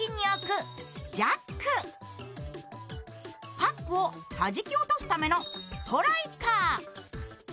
パックをはじき落とすためのストライカー。